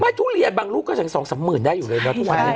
ไม่ทุเรียนบางลูกก็สองสามหมื่นได้อยู่เลยเนอะทุเรียนใช่ใช่